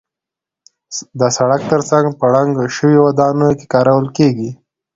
د سړک تر څنګ په ړنګو شویو ودانیو کې کارول کېږي.